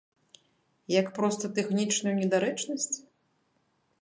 Як проста тэхнічную недарэчнасць?